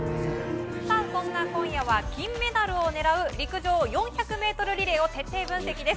そんな今夜は金メダルを狙う陸上４００ｍリレーを徹底分析です。